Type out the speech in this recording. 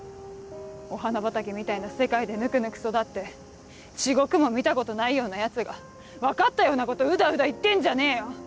お花畑みたいな世界でぬくぬく育って地獄も見たことないようなヤツが分かったようなことうだうだ言ってんじゃねえよ。